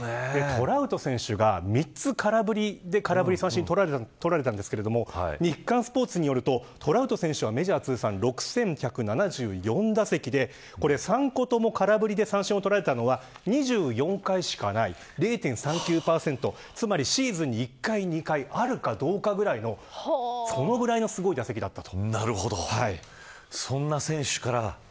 トラウト選手が３つ空振りで空振り三振取られたんですけど日刊スポーツによるとトラウト選手はメジャー通算６１７４打席で３個とも空振りで三振を取られたのは２４回しかなく０．３９％でシーズンに１回、２回あるかどうかくらいのそれぐらいのすごい打席だったと。